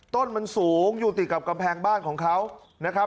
ต้นมันสูงอยู่ติดกับกำแพงบ้านของเขานะครับ